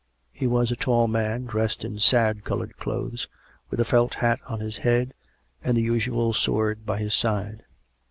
He was a tall man, dressed in sad coloured clothes, with a felt hat on his head and the usual sword by his side.